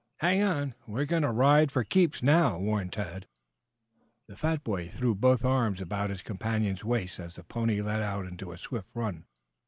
"Hang on! We're going to ride for keeps now!" warned Tad. The fat boy threw both arms about his companion's waist as the pony let out into a swift run.